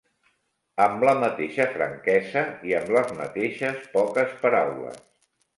Am la mateixa franquesa i am les mateixes poques paraules